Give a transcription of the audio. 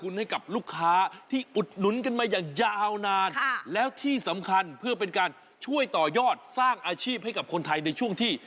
ให้กับลูกค้าที่อุดหนุนกันมาอย่างยาวนานแล้วที่สำคัญเพื่อเป็นการช่วยต่อยอดสร้างอาชีพให้กับคนไทยในช่วงที่